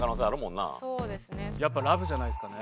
やっぱ『ラブ』じゃないですかね。